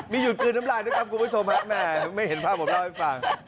มีหยุดกลืนน้ำลายด้วยครับคุณผู้ชมฮะแม่ไม่เห็นภาพผมเล่าให้ฟัง